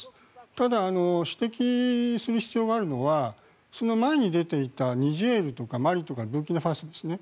ただ、指摘する必要があるのはその前に出ていたニジェールとかマリとかブルキナファソですね。